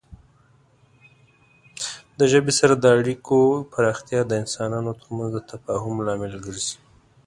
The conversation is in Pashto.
د ژبې سره د اړیکو پراختیا د انسانانو ترمنځ د تفاهم لامل ګرځي.